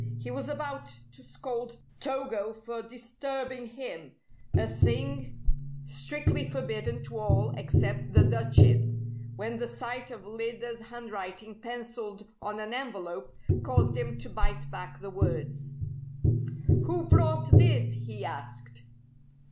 He was about to scold Togo for disturbing him (a thing strictly forbidden to all except the Duchess) when the sight of Lyda's handwriting pencilled on an envelope caused him to bite back the words. "Who brought this?" he asked.